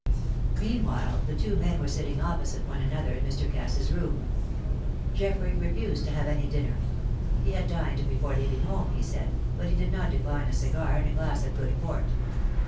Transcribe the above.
Meanwhile the two men were sitting opposite one another in Mr. Cass's room. Geoffrey refused to have any dinner; he had dined before leaving home, he said, but he did not decline a cigar and glass of good port.